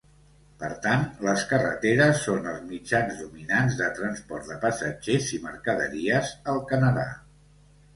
Per tant les carreteres són els mitjans dominants de transport de passatgers i mercaderies al Canadà.